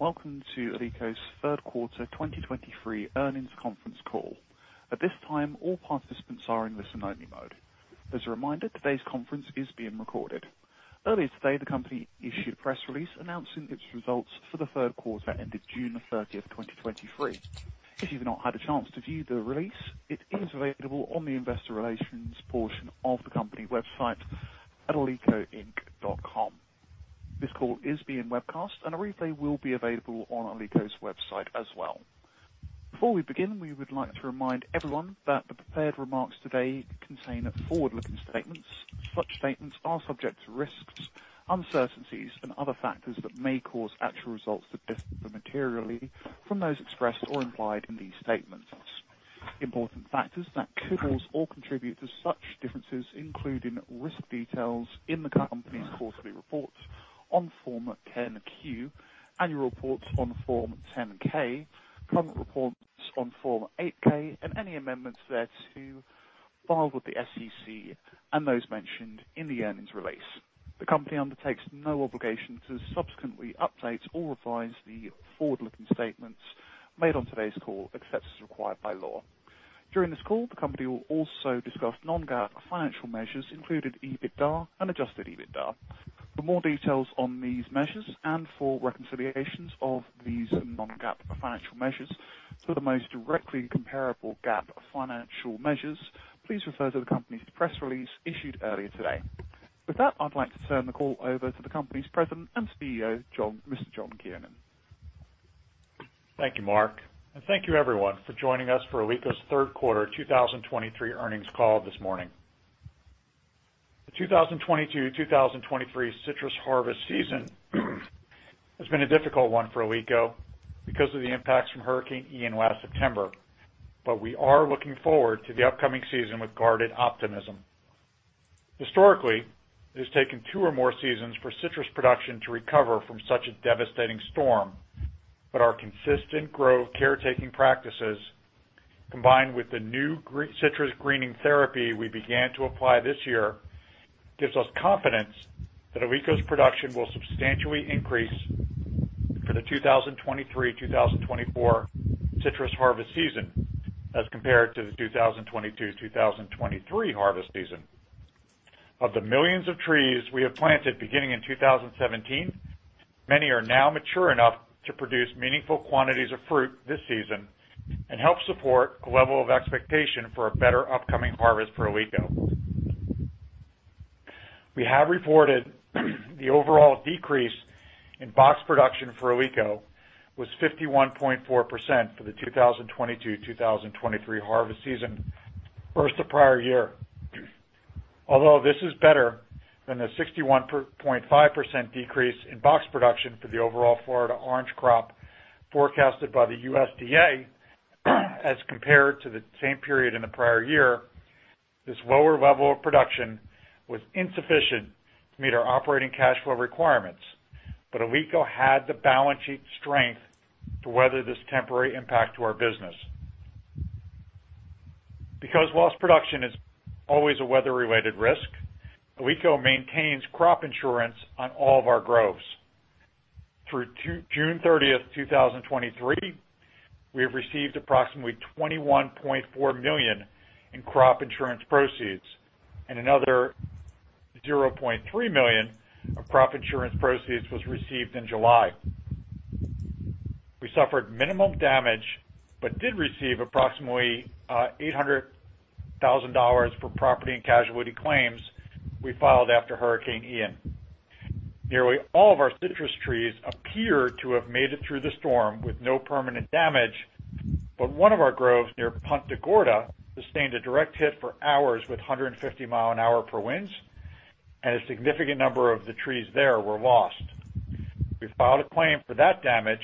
Welcome to Alico's third quarter 2023 earnings conference call. At this time, all participants are in listen-only mode. As a reminder, today's conference is being recorded. Earlier today, the company issued a press release announcing its results for the third quarter ended June 30th, 2023. If you've not had a chance to view the release, it is available on the investor relations portion of the company website at alicoinc.com. This call is being webcast, and a replay will be available on Alico's website as well. Before we begin, we would like to remind everyone that the prepared remarks today contain forward-looking statements. Such statements are subject to risks, uncertainties and other factors that may cause actual results to differ materially from those expressed or implied in these statements. Important factors that could cause or contribute to such differences, including risk details in the company's quarterly reports on Form 10-Q, annual reports on Form 10-K, current reports on Form 8-K and any amendments thereto filed with the SEC and those mentioned in the earnings release. The company undertakes no obligation to subsequently update or revise the forward-looking statements made on today's call, except as required by law. During this call, the company will also discuss non-GAAP financial measures, including EBITDA and adjusted EBITDA. For more details on these measures and for reconciliations of these non-GAAP financial measures to the most directly comparable GAAP financial measures, please refer to the company's press release issued earlier today. With that, I'd like to turn the call over to the company's President and CEO, Mr. John Kiernan. Thank you, Mark, and thank you everyone for joining us for Alico's third quarter 2023 earnings call this morning. The 2022-2023 citrus harvest season has been a difficult one for Alico because of the impacts from Hurricane Ian last September. We are looking forward to the upcoming season with guarded optimism. Historically, it has taken two or more seasons for citrus production to recover from such a devastating storm. Our consistent growth caretaking practices, combined with the new citrus greening therapy we began to apply this year, gives us confidence that Alico's production will substantially increase for the 2023-2024 citrus harvest season as compared to the 2022-2023 harvest season. Of the millions of trees we have planted beginning in 2017, many are now mature enough to produce meaningful quantities of fruit this season and help support the level of expectation for a better upcoming harvest for Alico. We have reported the overall decrease in box production for Alico was 51.4% for the 2022-2023 harvest season versus the prior year. Although this is better than the 61.5% decrease in box production for the overall Florida orange crop forecasted by the USDA, as compared to the same period in the prior year, this lower level of production was insufficient to meet our operating cash flow requirements. Alico had the balance sheet strength to weather this temporary impact to our business. Because lost production is always a weather-related risk, Alico maintains crop insurance on all of our groves. Through June 30th, 2023, we have received approximately $21.4 million in crop insurance proceeds and another $0.3 million of crop insurance proceeds was received in July. We suffered minimal damage, but did receive approximately $800,000 for property and casualty claims we filed after Hurricane Ian. Nearly all of our citrus trees appear to have made it through the storm with no permanent damage, but one of our groves near Punta Gorda sustained a direct hit for hours with 150 miles an hour per winds, and a significant number of the trees there were lost. We filed a claim for that damage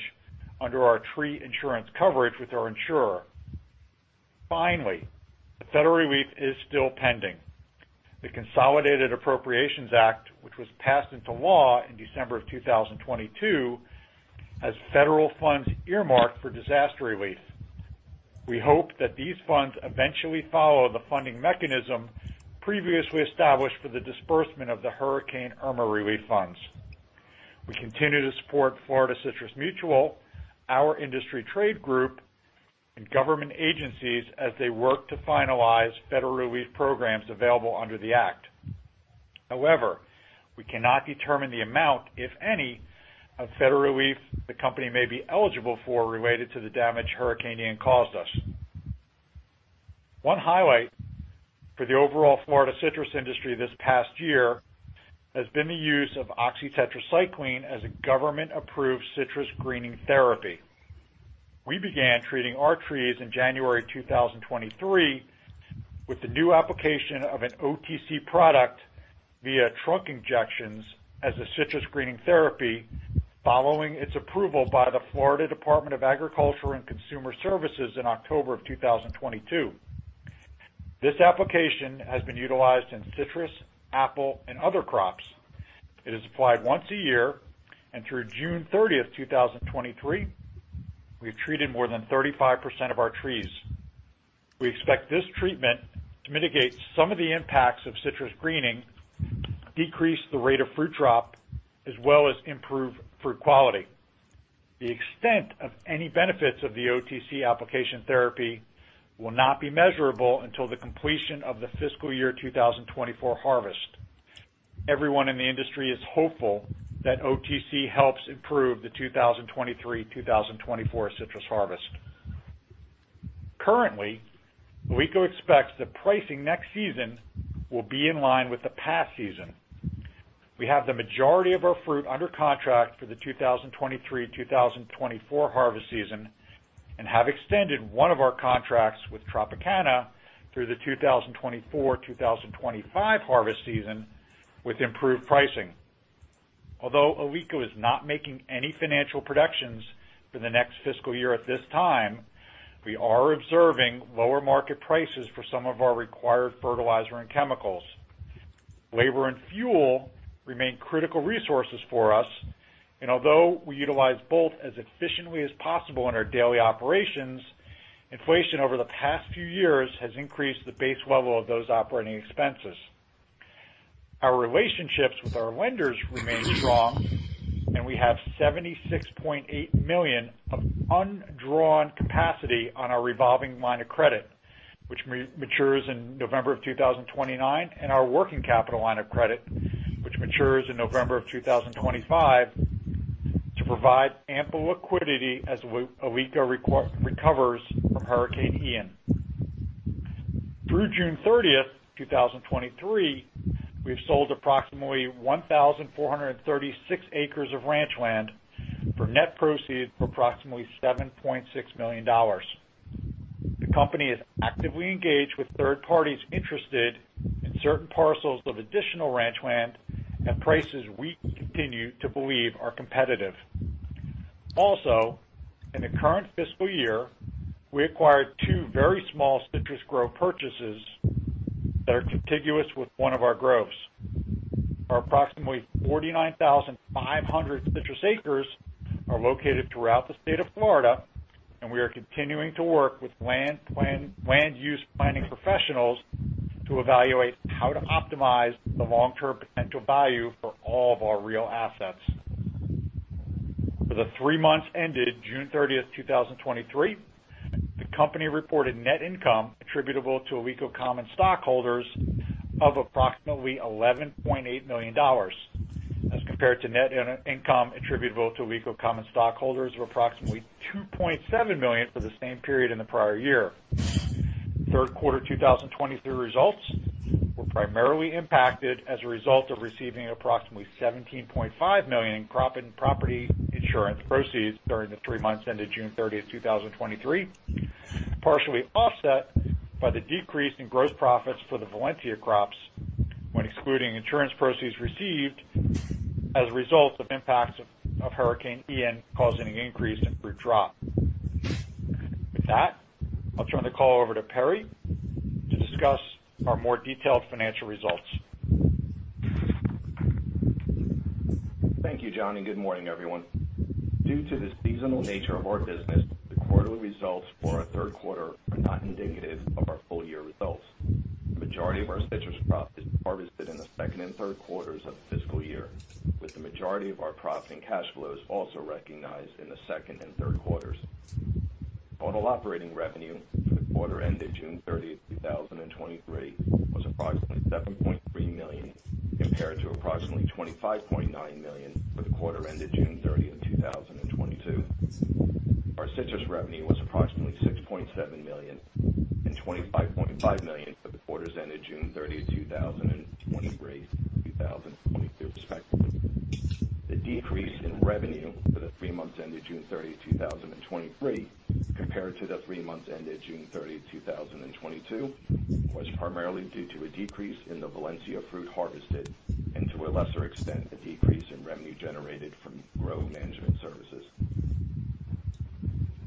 under our tree insurance coverage with our insurer. Finally, the federal relief is still pending. The Consolidated Appropriations Act, which was passed into law in December of 2022, has federal funds earmarked for disaster relief. We hope that these funds eventually follow the funding mechanism previously established for the disbursement of the Hurricane Irma relief funds. We continue to support Florida Citrus Mutual, our industry trade group, and government agencies as they work to finalize federal relief programs available under the Act. However, we cannot determine the amount, if any, of federal relief the company may be eligible for related to the damage Hurricane Ian caused us. One highlight for the overall Florida citrus industry this past year has been the use of oxytetracycline as a government-approved citrus greening therapy. We began treating our trees in January 2023, with the new application of an OTC product via trunk injections as a citrus greening therapy, following its approval by the Florida Department of Agriculture and Consumer Services in October 2022. This application has been utilized in citrus, apple, and other crops. It is applied once a year, and through June 30th, 2023, we've treated more than 35% of our trees. We expect this treatment to mitigate some of the impacts of citrus greening, decrease the rate of fruit drop, as well as improve fruit quality. The extent of any benefits of the OTC application therapy will not be measurable until the completion of the fiscal year 2024 harvest. Everyone in the industry is hopeful that OTC helps improve the 2023, 2024 citrus harvest. Currently, Alico expects the pricing next season will be in line with the past season. We have the majority of our fruit under contract for the 2023, 2024 harvest season, and have extended one of our contracts with Tropicana through the 2024, 2025 harvest season with improved pricing. Although Alico is not making any financial predictions for the next fiscal year at this time, we are observing lower market prices for some of our required fertilizer and chemicals. Labor and fuel remain critical resources for us, and although we utilize both as efficiently as possible in our daily operations, inflation over the past few years has increased the base level of those operating expenses. Our relationships with our lenders remain strong, and we have $76.8 million of undrawn capacity on our revolving line of credit, which matures in November 2029, and our working capital line of credit, which matures in November 2025, to provide ample liquidity as we, Alico recovers from Hurricane Ian. Through June 30th, 2023, we've sold approximately 1,436 acres of ranch land for net proceeds of approximately $7.6 million. The company is actively engaged with third parties interested in certain parcels of additional ranch land, and prices we continue to believe are competitive. Also, in the current fiscal year, we acquired two very small citrus grove purchases that are contiguous with one of our groves. Our approximately 49,500 citrus acres are located throughout the state of Florida, and we are continuing to work with land use planning professionals to evaluate how to optimize the long-term potential value for all of our real assets. For the three months ended June 30th, 2023, the company reported net income attributable to Alico common stockholders of approximately $11.8 million, as compared to net income attributable to Alico common stockholders of approximately $2.7 million for the same period in the prior year. third quarter 2023 results were primarily impacted as a result of receiving approximately $17.5 million in crop and property insurance proceeds during the three months ended June 30th, 2023, partially offset by the decrease in gross profits for the Valencia crops when excluding insurance proceeds received as a result of impacts of Hurricane Ian, causing an increase in fruit drop. With that, I'll turn the call over to Perry to discuss our more detailed financial results. Thank you, John. Good morning, everyone. Due to the seasonal nature of our business, the quarterly results for our third quarter are not indicative of our full year results. The majority of our citrus crop is harvested in the second and third quarters of the fiscal year, with the majority of our profits and cash flows also recognized in the second and third quarters. Total operating revenue for the quarter ended June 30th, 2023, was approximately $7.3 million, compared to approximately $25.9 million for the quarter ended June 30th, 2022. Our citrus revenue was approximately $6.7 million and $25.5 million for the quarters ended June 30th, 2023, 2022, respectively. The decrease in revenue for the three months ended June 30, 2023, compared to the three months ended June 30, 2022, was primarily due to a decrease in the Valencia fruit harvested and, to a lesser extent, a decrease in revenue generated from grove management services.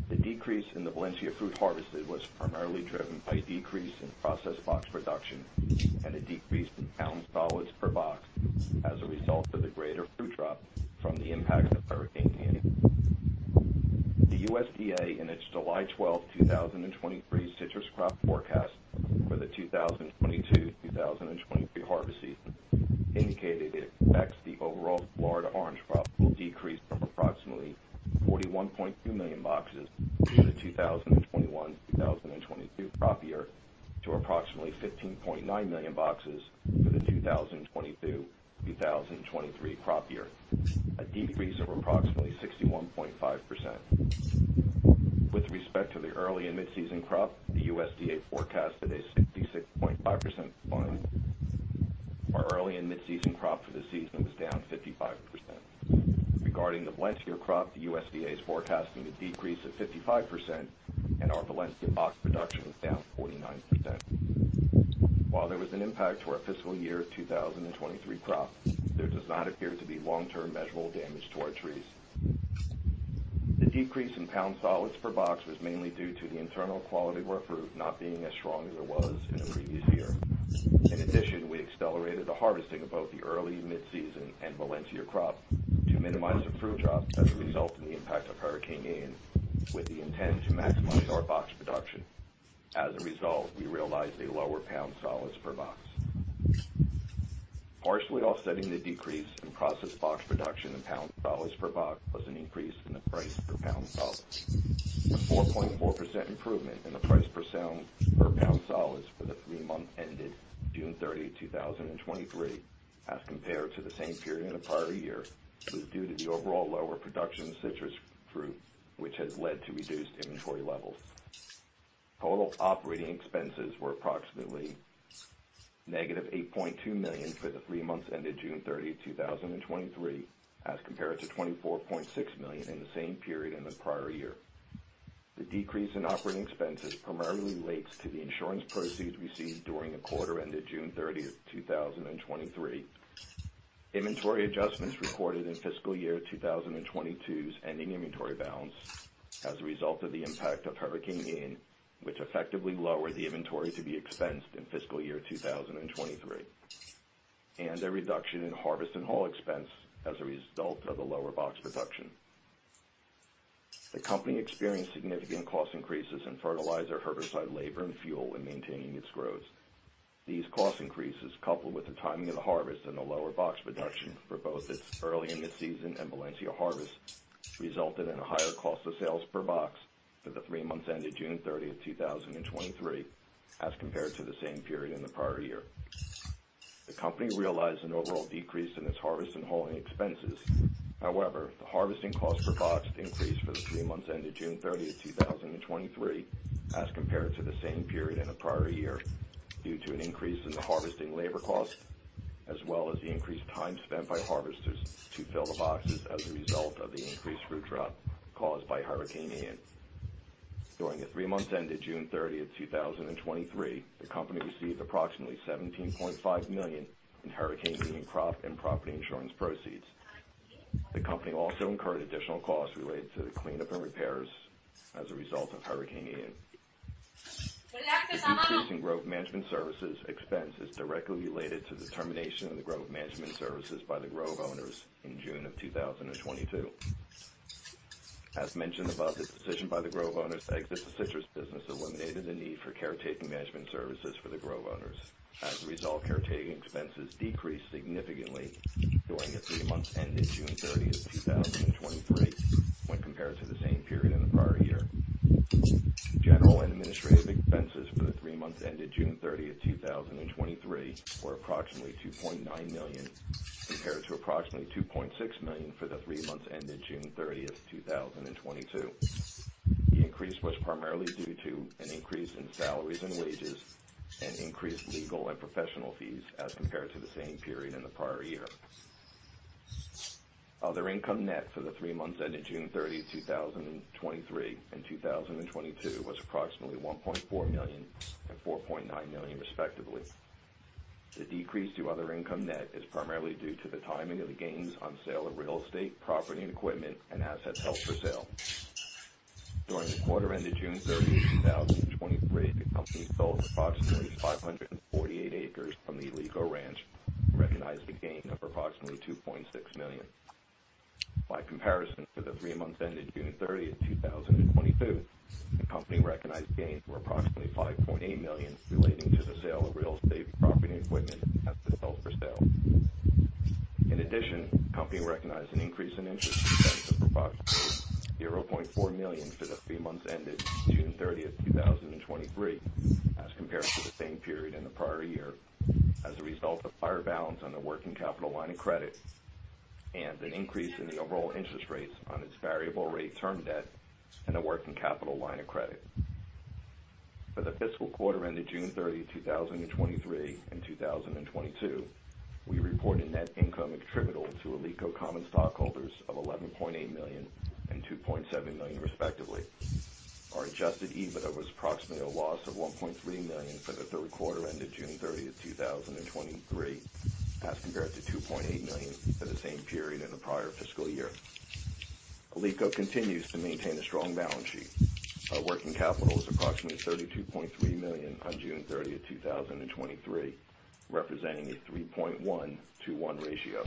The decrease in the Valencia fruit harvested was primarily driven by a decrease in processed box production and a decrease in pound solids per box as a result of the greater fruit drop from the impact of Hurricane Ian. The USDA, in its July 12, 2023 citrus crop forecast for the 2022-2023 harvest season, indicated it expects the overall Florida orange crop will decrease from approximately 41.2 million boxes for the 2021-2022 crop year to approximately 15.9 million boxes for the 2022-2023 crop year, a decrease of approximately 61.5%. With respect to the early and mid-season crop, the USDA forecasted a 66.5% decline. Our early and mid-season crop for the season was down 55%. Regarding the Valencia crop, the USDA is forecasting a decrease of 55%, and our Valencia box production was down 49%. While there was an impact to our fiscal year 2023 crop, there does not appear to be long-term measurable damage to our trees. The decrease in pound solids per box was mainly due to the internal quality of our fruit not being as strong as it was in the previous year. In addition, we accelerated the harvesting of both the early, mid-season, and Valencia crop to minimize the fruit drop as a result of the impact of Hurricane Ian, with the intent to maximize our box production. As a result, we realized a lower pound solids per box. Partially offsetting the decrease in processed box production in pound solids per box was an increase in the price per pound solids. A 4.4% improvement in the price per sound, per pound solids for the three months ended June 30, 2023, as compared to the same period in the prior year, was due to the overall lower production of citrus fruit, which has led to reduced inventory levels. Total operating expenses were approximately negative $8.2 million for the three months ended June 30, 2023, as compared to $24.6 million in the same period in the prior year. The decrease in operating expenses primarily relates to the insurance proceeds received during the quarter ended June 30th, 2023. Inventory adjustments recorded in fiscal year 2022's ending inventory balance as a result of the impact of Hurricane Ian, which effectively lowered the inventory to be expensed in fiscal year 2023, and a reduction in harvest and haul expense as a result of the lower box production. The company experienced significant cost increases in fertilizer, herbicide, labor, and fuel in maintaining its growth. These cost increases, coupled with the timing of the harvest and the lower box production for both its early in the season and Valencia harvest, resulted in a higher cost of sales per box for the three months ended June 30th, 2023, as compared to the same period in the prior year. The company realized an overall decrease in its harvest and hauling expenses. However, the harvesting cost per box increased for the three months ended June 30th, 2023, as compared to the same period in the prior year, due to an increase in the harvesting labor cost, as well as the increased time spent by harvesters to fill the boxes as a result of the increased fruit drop caused by Hurricane Ian. During the three months ended June 30th, 2023, the company received approximately $17.5 million in Hurricane Ian crop and property insurance proceeds. The company also incurred additional costs related to the cleanup and repairs as a result of Hurricane Ian. The decrease in growth management services expense is directly related to the termination of the growth management services by the grove owners in June 2022. As mentioned above, the decision by the grove owners to exit the citrus business eliminated the need for caretaking management services for the grove owners. As a result, caretaking expenses decreased significantly during the three months ended June 30th, 2023, when compared to the same period in the prior year. General and Administrative expenses for the three months ended June 30th, 2023, were approximately $2.9 million, compared to approximately $2.6 million for the three months ended June 30th, 2022. The increase was primarily due to an increase in salaries and wages and increased legal and professional fees as compared to the same period in the prior year. Other income net for the three months ended June 30, 2023 and 2022 was approximately $1.4 million and $4.9 million, respectively. The decrease to other income net is primarily due to the timing of the gains on sale of real estate, property and equipment, and assets held for sale. During the quarter ended June 30, 2023, the company sold approximately 548 acres from the Alico Ranch, recognized a gain of approximately $2.6 million. By comparison, for the three months ended June 30th, 2022, the company recognized gains were approximately $5.8 million relating to the sale of real estate, property, and equipment, and assets held for sale. The company recognized an increase in interest expenses of approximately $0.4 million for the three months ended June 30th, 2023, as compared to the same period in the prior year, as a result of higher balance on the working capital line of credit and an increase in the overall interest rates on its variable rate term debt and a working capital line of credit. For the fiscal quarter ended June 30, 2023 and 2022, we reported net income attributable to Alico common stockholders of $11.8 million and $2.7 million, respectively. Our adjusted EBITDA was approximately a loss of $1.3 million for the third quarter ended June 30th, 2023, as compared to $2.8 million for the same period in the prior fiscal year. Alico continues to maintain a strong balance sheet. Our working capital is approximately $32.3 million on June 30, 2023, representing a 3.1 to 1 ratio.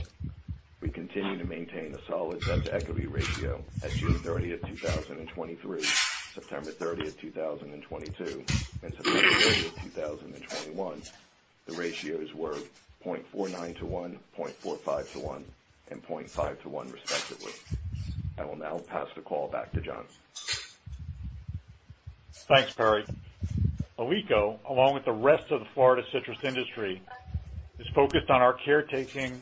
We continue to maintain a solid debt-to-equity ratio at June 30th, 2023, September 30th, 2022, and September 30th, 2021. The ratios were 0.49 to 1, 0.45 to 1, and 0.5 to 1, respectively. I will now pass the call back to John. Thanks, Perry. Alico, along with the rest of the Florida citrus industry, is focused on our caretaking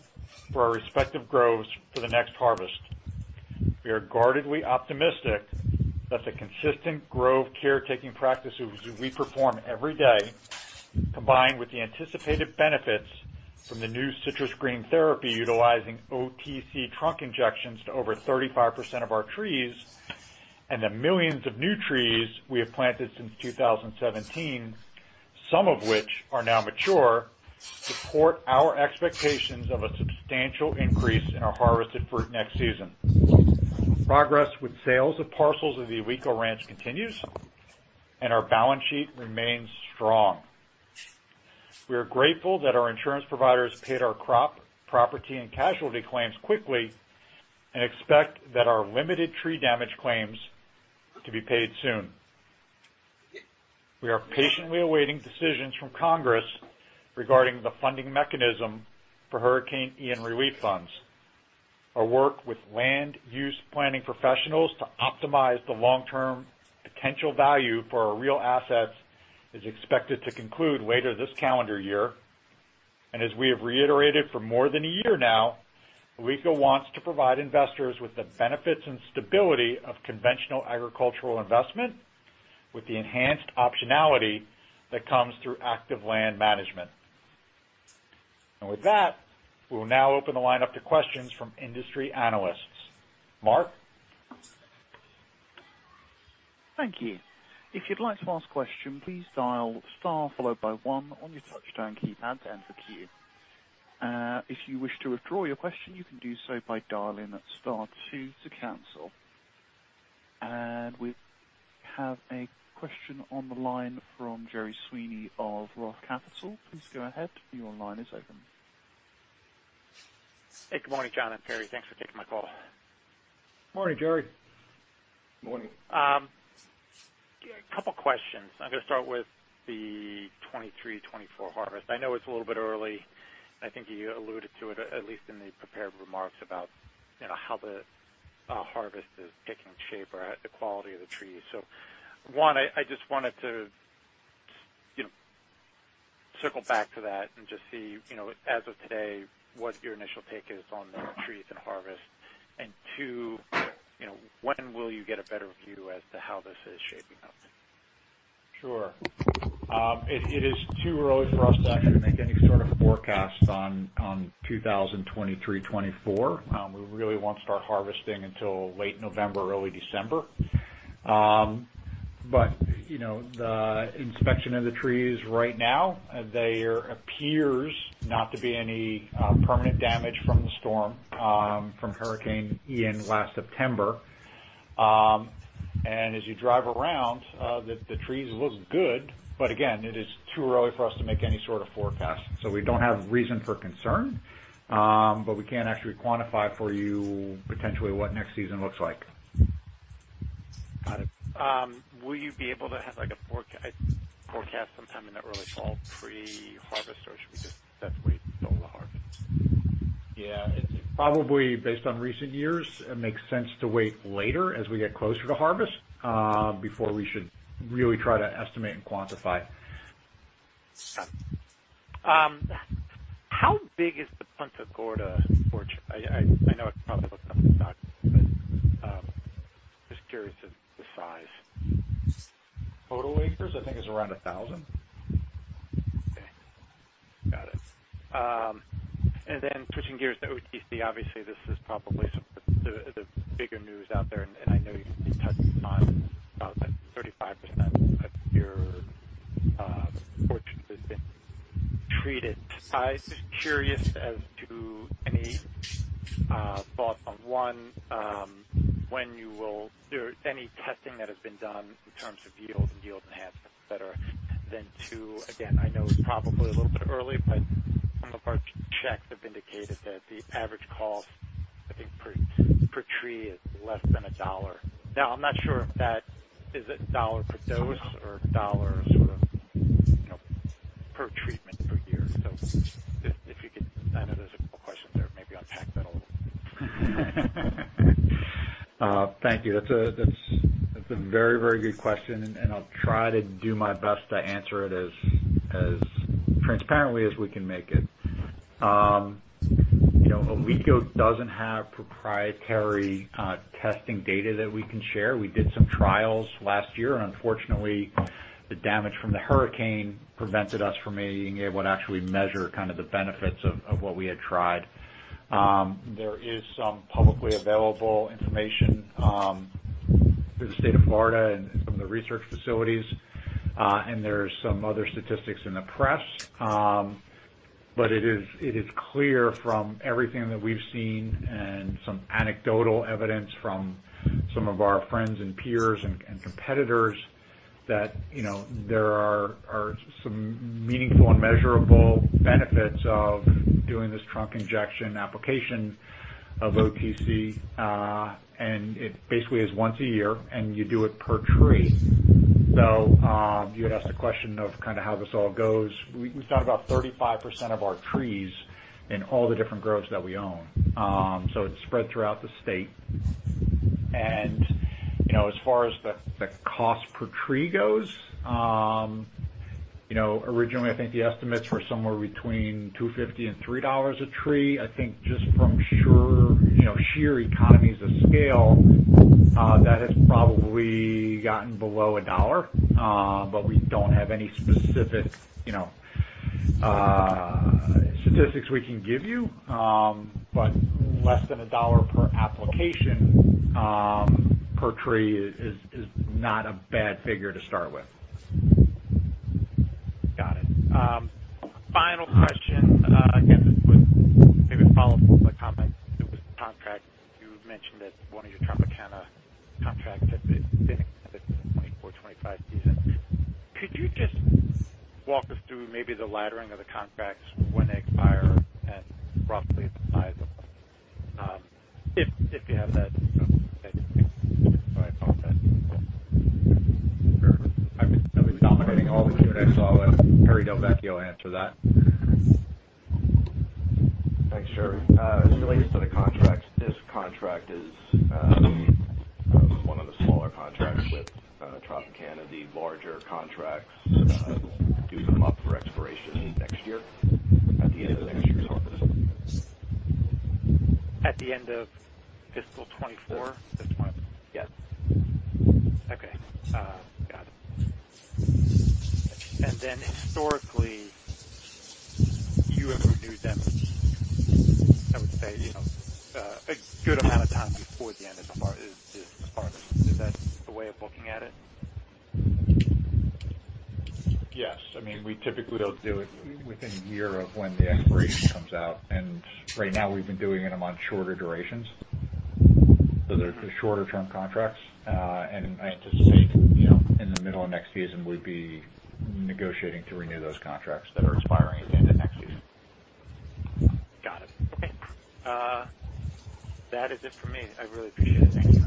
for our respective groves for the next harvest. We are guardedly optimistic that the consistent grove caretaking practices we perform every day, combined with the anticipated benefits from the new citrus greening therapy, utilizing OTC trunk injections to over 35% of our trees, and the millions of new trees we have planted since 2017, some of which are now mature, support our expectations of a substantial increase in our harvested fruit next season. Progress with sales of parcels of the Alico Ranch continues, and our balance sheet remains strong. We are grateful that our insurance providers paid our crop, property, and casualty claims quickly, and expect that our limited tree damage claims to be paid soon. We are patiently awaiting decisions from Congress regarding the funding mechanism for Hurricane Ian relief funds. Our work with land use planning professionals to optimize the long-term potential value for our real assets is expected to conclude later this calendar year. As we have reiterated for more than a year now, Alico wants to provide investors with the benefits and stability of conventional agricultural investment, with the enhanced optionality that comes through active land management. With that, we'll now open the line up to questions from industry analysts. Mark? Thank you. If you'd like to ask a question, please dial star, followed by one on your touchdown keypad to enter queue. If you wish to withdraw your question, you can do so by dialing star two to cancel. We have a question on the line from Gerry Sweeney of Roth Capital. Please go ahead. Your line is open. Hey, good morning, John and Perry. Thanks for taking my call. Morning, Jerry. Morning. A couple questions. I'm going to start with the 2023, 2024 harvest. I know it's a little bit early. I think you alluded to it, at least in the prepared remarks, about, you know, how the harvest is taking shape or the quality of the trees. One, I, I just wanted to, you know, circle back to that and just see, you know, as of today, what your initial take is on the trees and harvest. Two, you know, when will you get a better view as to how this is shaping up? Sure. It, it is too early for us to actually make any sort of forecast on, on 2023, 2024. We really won't start harvesting until late November or early December. You know, the inspection of the trees right now, there appears not to be any permanent damage from the storm, from Hurricane Ian last September. As you drive around, the, the trees look good, but again, it is too early for us to make any sort of forecast. We don't have reason for concern, but we can't actually quantify for you potentially what next season looks like. Got it. Will you be able to have, like, a forecast sometime in the early fall, pre-harvest, or should we just definitely wait till the harvest? Yeah, it's probably based on recent years, it makes sense to wait later as we get closer to harvest, before we should really try to estimate and quantify. How big is the Punta Gorda orchard? I, I, I know it's probably looked up, but just curious of the size. Total acres? I think it's around 1,000. Okay, got it. Switching gears, the OTC, obviously, this is probably some of the, the bigger news out there, and I know you've been touching on about that 35% of your trees has been treated. I'm just curious as to any thoughts on, one, there any testing that has been done in terms of yields and yield enhancements, et cetera. two, again, I know it's probably a little bit early, but some of our checks have indicated that the average cost, I think, per, per tree is less than $1. Now, I'm not sure if that is it $1 per dose or $1 sort of, you know, per treatment per year. If you could... I know there's a couple questions there, maybe unpack that a little. Thank you. That's a, that's, that's a very, very good question, and, and I'll try to do my best to answer it as, as transparently as we can make it. You know, Alico doesn't have proprietary testing data that we can share. We did some trials last year, and unfortunately, the damage from the hurricane prevented us from being able to actually measure kind of the benefits of, of what we had tried. There is some publicly available information through the state of Florida and some of the research facilities, and there's some other statistics in the press. It is, it is clear from everything that we've seen and some anecdotal evidence from some of our friends and peers and, and competitors, that, you know, there are, are some meaningful and measurable benefits of doing this trunk injection application of OTC. It basically is once a year, and you do it per tree. You had asked a question of kind of how this all goes. We've done about 35% of our trees in all the different groves that we own. It's spread throughout the state. As far as the, the cost per tree goes, you know, originally I think the estimates were somewhere between $2.50 and $3 a tree. I think just from sure, you know, sheer economies of scale, that has probably gotten below $1, but we don't have any specific, you know, statistics we can give you. Less than $1 per application, per tree is, is not a bad figure to start with. Got it. Final question, again, this was maybe followed up with a comment. It was the contract. You mentioned that one of your Tropicana contracts had been extended to 2024-2025 season. Could you just walk us through maybe the laddering of the contracts, when they expire, and roughly If, if you have that, thank you. Sorry about that. I've been dominating all the Q, and I saw Perry Del Vecchio answer that. Thanks, Jerry. Related to the contract, this contract is one of the smaller contracts with Tropicana. The larger contracts do come up for expiration next year, at the end of next year's office. At the end of fiscal 2024? That's right. Yes. Okay. Got it. Then historically, you have renewed them, I would say, you know, a good amount of time before the end is the far, is, is the farthest. Is that the way of looking at it? Yes. I mean, we typically will do it within a year of when the expiration comes out, and right now we've been doing them on shorter durations. So they're the shorter-term contracts. I anticipate, you know, in the middle of next season, we'd be negotiating to renew those contracts that are expiring at the end of next year. Got it. Okay. That is it for me. I really appreciate it. Thank you.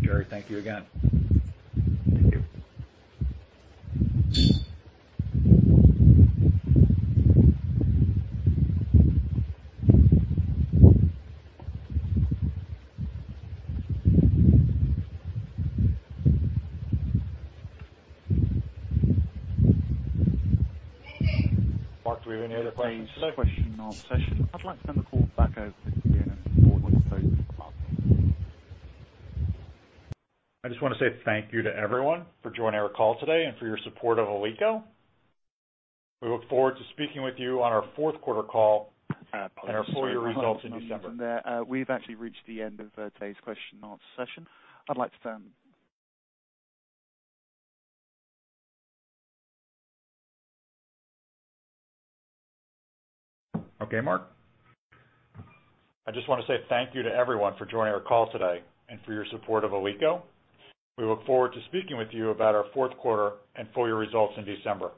Jerry, thank you again. Thank you. Mark, do we have any other questions? Today's question and answer session. I'd like to turn the call back over to you again for your closing remarks. I just want to say thank you to everyone for joining our call today and for your support of Alico. We look forward to speaking with you on our fourth quarter call and our full year results in December. We've actually reached the end of today's question and answer session. I'd like to turn... Okay, Mark. I just want to say thank you to everyone for joining our call today and for your support of Alico. We look forward to speaking with you about our fourth quarter and full year results in December.